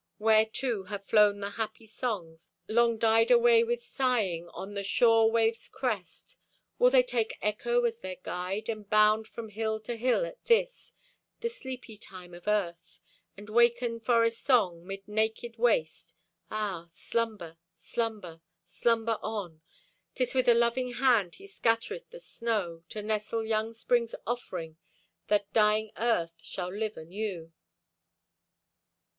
Where, too, have flown the happy songs, Long died away with sighing On the shore wave's crest? Will they take Echo as their Guide, And bound from hill to hill at this, The sleepy time of earth, And waken forest song 'mid naked waste? Ah, slumber, slumber, slumber on. 'Tis with a loving hand He scattereth the snow, To nestle young spring's offering, That dying Earth shall live anew.